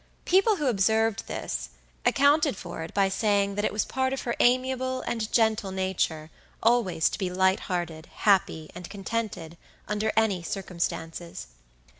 People who observed this, accounted for it by saying that it was a part of her amiable and gentle nature always to be light hearted, happy and contented under any circumstances.